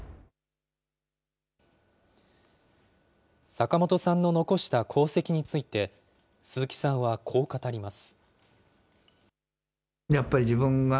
坂本さんの残した功績について、鈴木さんはこう語ります。